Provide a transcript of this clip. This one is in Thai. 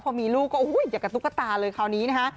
พอมีลูกก็อย่ากับตุ๊กตาเลยคราวนี้นะฮะ